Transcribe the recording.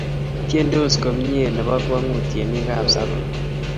Tyendos komnye ne po kwong'ut tyenik ap Zabron.